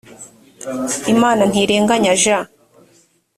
imanantirenganya jean